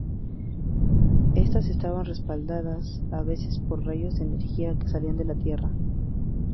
Estas estaban respaldadas a veces por rayos de energía que salían de la tierra.